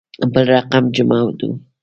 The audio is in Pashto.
بل رقم جمعه دو.